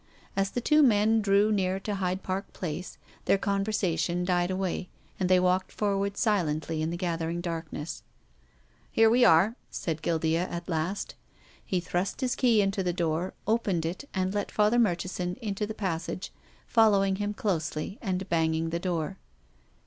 As the two men drew near to Hyde Park Place their conversation died away and they walked forward silently in the gathering darkness. " Here wc are !" said Guildea at last. He thrust his key into the door, opened it and let Father Murchison into the passage, following him closely and banging the door.